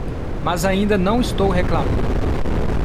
Mas ainda não estou reclamando.